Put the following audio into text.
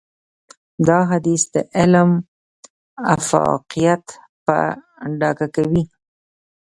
دا حديث د علم افاقيت په ډاګه کوي.